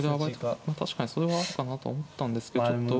確かにそれはあるかなと思ったんですけどちょっと。